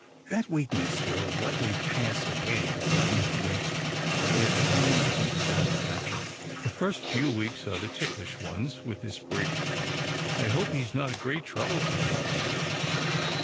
" That weakness will likely pass away," said Mr. Waysmith in a tone of deep satisfaction. " The first few weeks are the ticklish ones with this breed. I hope he is not a great trouble to you."